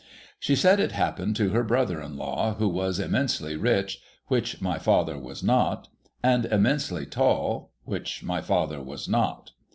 She said it happened to her brother in law, who was im mensely rich, — which my father was not; and immensely tall, —■ which my father was not.